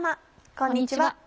こんにちは。